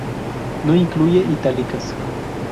No incluye itálicas.